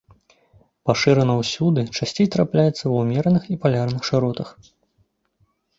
Пашырана ўсюды, часцей трапляецца ва ўмераных і палярных шыротах.